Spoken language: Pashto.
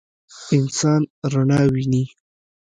انسان رڼا ویني.